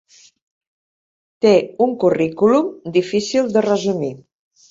Té un currículum difícil de resumir.